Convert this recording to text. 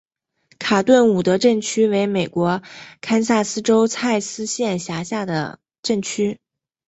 卡顿伍德镇区为美国堪萨斯州蔡斯县辖下的镇区。